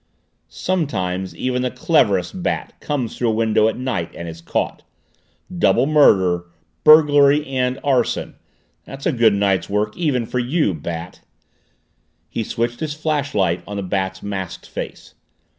"Sometimes even the cleverest Bat comes through a window at night and is caught. Double murder burglary and arson! That's a good night's work even for you, Bat!" He switched his flashlight on the Bat's masked face.